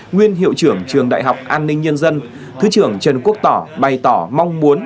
nguyên hiệu trưởng trường đại học an ninh nhân dân thứ trưởng trần quốc tỏ bày tỏ mong muốn